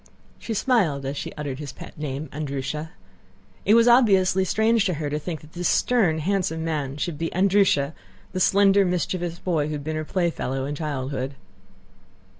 She smiled as she uttered his pet name, "Andrúsha." It was obviously strange to her to think that this stern handsome man should be Andrúsha—the slender mischievous boy who had been her playfellow in childhood.